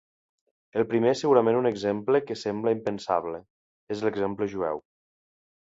El primer és segurament un exemple que sembla impensable, és l'exemple jueu.